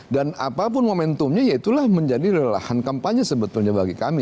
dan apapun momentumnya ya itulah menjadi lelahan kampanye sebetulnya bagi kami